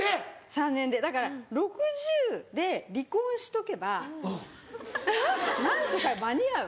３年でだから６０で離婚しとけば何とか間に合う。